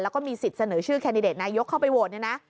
แล้วก็มีสิทธิ์เสนอชื่อแคนดิเดตนายกเข้าไปโหวตเนี่ยนะ